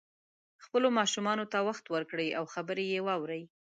خپلو ماشومانو ته وخت ورکړئ او خبرې یې واورئ